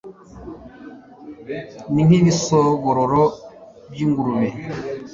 ni nk'ibisogororo by'ingurube